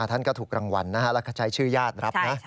ท่านก็ถูกรางวัลนะฮะและใช้ชื่อยาดรับนะ